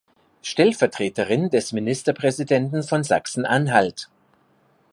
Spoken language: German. Stellvertreterin des Ministerpräsidenten von Sachsen-Anhalt.